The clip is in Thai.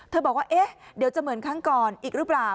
บอกว่าเอ๊ะเดี๋ยวจะเหมือนครั้งก่อนอีกหรือเปล่า